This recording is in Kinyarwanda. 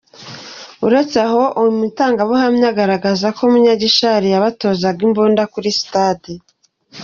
Uretse aho, uyu mutangabuhamya agaragaza ko Munyagishari yabatozaga imbunda kuri stade.